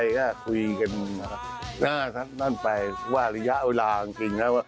อยากคุยกันอย่างนั้นไปว่าระยะเวลาจริง